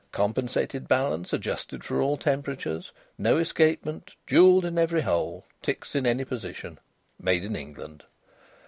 Compensated balance adjusted for all temperatures. No escapement. Jewelled in every hole. Ticks in any position. Made in England."